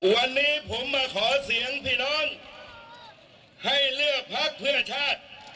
วันนี้ผมมาขอเสียงพี่น้องให้เลือกพักเพื่อชาติ